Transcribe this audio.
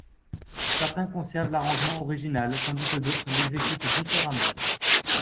Certains conservent l'arrangement original, tandis que d'autres l’exécutent différemment.